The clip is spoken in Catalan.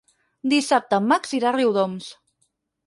Dissabte en Max irà a Riudoms.